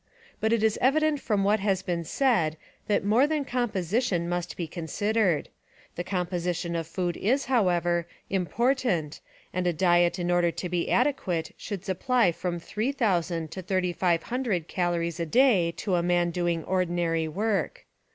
But it is evident from what has been said that more than composition must be considered. The composition of food is, however, important and a diet in order to be adequate should supply from three thousand to thirty five hundred calories a day to a man doing ordinary work.